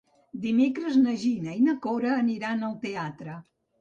Dimecres na Gina i na Cora aniran al teatre.